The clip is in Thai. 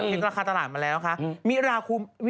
เห็นราคาตลาดมาแล้วคะมิราคมิ